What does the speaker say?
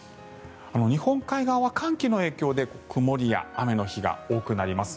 日本海側は寒気の影響で曇りや雨の日が多くなります。